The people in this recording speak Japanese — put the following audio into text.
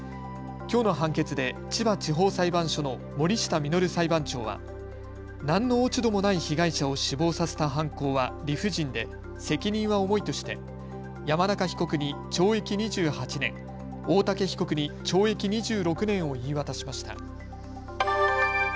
きょうの判決で千葉地方裁判所の守下実裁判長は何の落ち度もない被害者を死亡させた犯行は理不尽で責任は重いとして山中被告に懲役２８年、大竹被告に懲役２６年を言い渡しました。